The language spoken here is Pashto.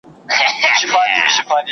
خو ستاسو کریډيټ کارت کې دا سودا نشته